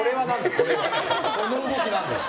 この動きは何だよ。